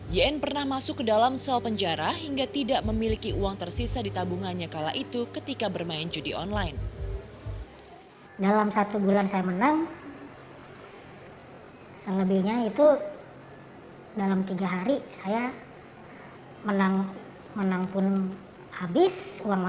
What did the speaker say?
yn pernah masuk ke dalam sel penjara hingga tidak memiliki uang tersisa di tabungannya kala itu ketika bermain judi online